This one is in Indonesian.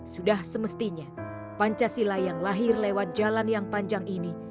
sudah semestinya pancasila yang lahir lewat jalan yang panjang ini